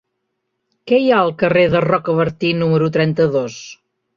Què hi ha al carrer de Rocabertí número trenta-dos?